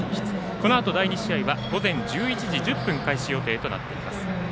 このあと、第２試合は午前１１時１０分開始予定となっています。